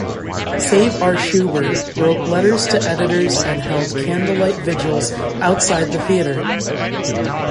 Save Our Shubert wrote letters to editors and held candlelight vigils outside the theater.